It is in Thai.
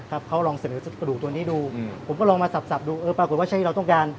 ครับเขาลองเสนอกระดูกตัวนี้ดูอืมผมก็ลองมาสับสับดูเออปรากฏว่าใช้ที่เราต้องการ